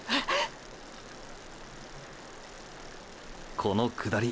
この下り